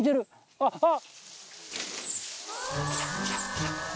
あっあっ。